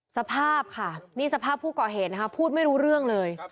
สภาพค่ะนี่สภาพผู้ก่อเหตุนะคะพูดไม่รู้เรื่องเลย